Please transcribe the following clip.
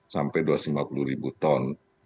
sampai dua ratus lima puluh ribu ton